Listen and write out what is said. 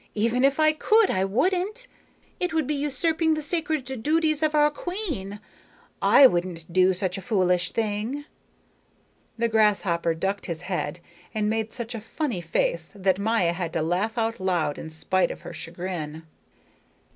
Even if I could, I wouldn't. It would be usurping the sacred duties of our queen. I wouldn't do such a foolish thing." The grasshopper ducked his head and made such a funny face that Maya had to laugh out loud in spite of her chagrin.